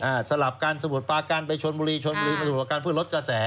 อ่าสลับกันสมุดปลาการไปชนบุรีอ่าชนบุรีมาสมุดปลาการเพื่อลดกระแส